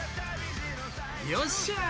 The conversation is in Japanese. よっしゃー！